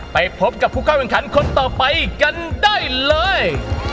ไปพบกับผู้เข้าแข่งขันคนต่อไปกันได้เลย